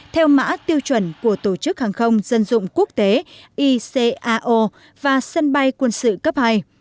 theo mã tiêu chuẩn của tổ chức hàng không dân dụng quốc tế icao và sân bay quân sự cấp hai